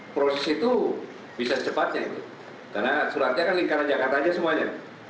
proses itu bisa secepatnya itu karena suratnya kan lingkaran jakarta aja semuanya